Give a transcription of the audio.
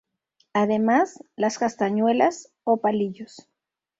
Además, las castañuelas o palillos.